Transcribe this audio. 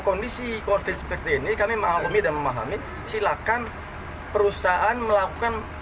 kondisi konflik seperti ini kami mengalami dan memahami silakan perusahaan melakukan